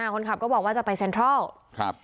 คนขับก็บอกว่าจะไปเซ็นทรัลครับ